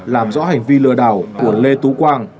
làm rõ hành vi lừa đảo của lê tú quang